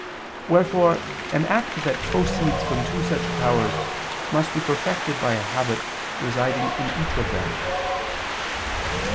Wherefore an act that proceeds from two such powers must be perfected by a habit residing in each of them.